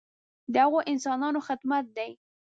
د هغو انسانانو خدمت دی.